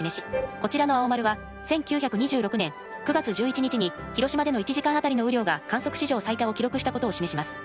こちらの青丸は１９２６年９月１１日に広島での１時間あたりの雨量が観測史上最多を記録したことを示します。